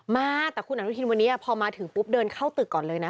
มาแต่คุณอนุทินวันนี้พอมาถึงปุ๊บเดินเข้าตึกก่อนเลยนะ